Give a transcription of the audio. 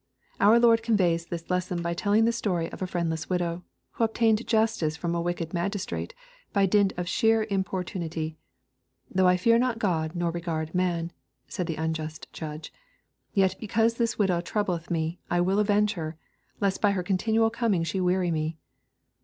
Our Lord conveys this lesson by telling the story of a friendless widow, who obtained justice from a wicked magistrate, by dint of sheer im portunity.— " Though I fear not God, nor regard man,'* said the unjust judge, " yet because this widow troubleth me, I will avenge her, lest by her continual coming she weary me."